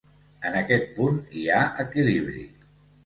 En aquest punt hi ha equilibri.